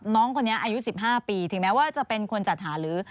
น้องคนนี้อายุ๑๕ปีถึงแม้ว่าจะเป็นคนจัดหาหรือ